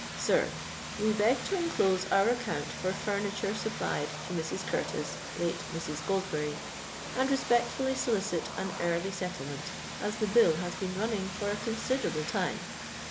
_ "SIR, "We beg to enclose our account for furniture supplied to Mrs. Curtis, late Mrs. Goldberry, and respectfully solicit an early settlement, as the bill has been running for a considerable time.